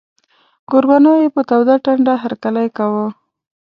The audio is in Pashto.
کوربنو یې په توده ټنډه هرکلی کاوه.